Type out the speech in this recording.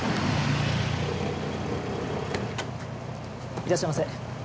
いらっしゃいませ。